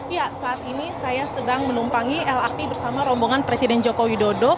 ya saat ini saya sedang menumpangi lrt bersama rombongan presiden joko widodo